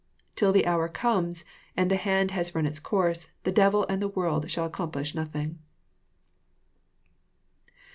Till the hour comes, and the hand has run its course, >the devil and the world shall accomplish nothing."